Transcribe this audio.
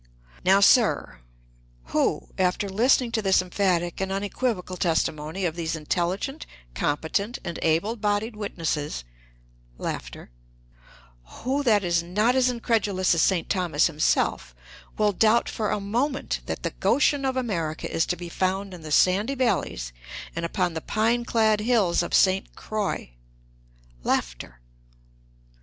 Now, sir, who, after listening to this emphatic and unequivocal testimony of these intelligent, competent and able bodied witnesses, who that is not as incredulous as St. Thomas himself, will doubt for a moment that the Goshen of America is to be found in the sandy valleys and upon the pine clad hills of St. Croix?